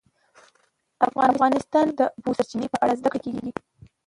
افغانستان کې د د اوبو سرچینې په اړه زده کړه کېږي.